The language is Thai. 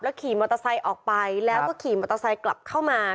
ขี่มอเตอร์ไซค์ออกไปแล้วก็ขี่มอเตอร์ไซค์กลับเข้ามา